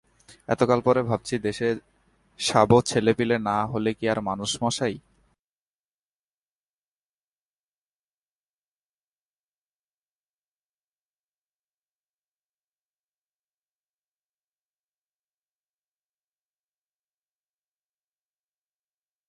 এতকাল পরে ভাবচি দেশে ষাবো-ছেলেপিলে না হলে কি আর মানুষ মশাই?